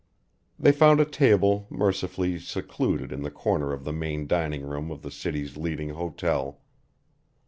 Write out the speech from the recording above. They found a table mercifully secluded in the corner of the main dining room of the city's leading hotel.